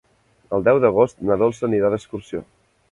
El deu d'agost na Dolça anirà d'excursió.